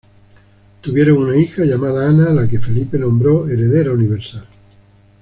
Tuvieron una hija llamada Ana, a la que Felipe nombró heredera universal.